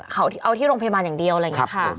เขาเอาที่โรงพยาบาลอย่างเดียวอะไรอย่างนี้ค่ะ